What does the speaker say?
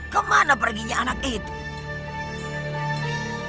kemana perginya anak itu